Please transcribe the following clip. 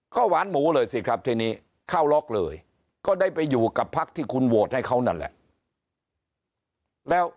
ก็หวานหมูเลยสิครับทีนี้เข้าล็อกเลยก็ได้ไปอยู่กับพักที่คุณโหวตให้เขานั่นแหละ